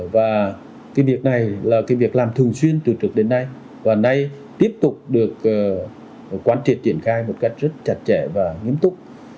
và cái việc này là cái việc làm thường xuyên từ trước đến nay và nay tiếp tục được quán triệt triển khai một cách rất chặt chẽ và nghiêm túc